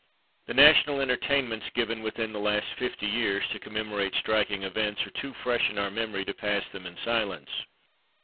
The national entertainments given within the last fifty years, to commemorate striking events, are too fresh in our memory to pass them in silence.